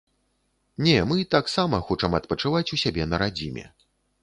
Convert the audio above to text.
Не, мы таксама хочам адпачываць у сябе на радзіме.